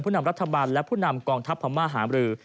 ผู้นำรัฐบาลและผู้นำกองทัพภามารหาบรือ